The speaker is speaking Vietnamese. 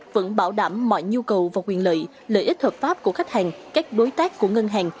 vẫn bảo đảm mọi nhu cầu và quyền lợi lợi ích hợp pháp của khách hàng các đối tác của ngân hàng